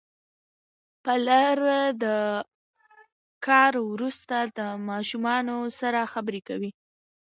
پلر د کار وروسته له ماشومانو سره خبرې کوي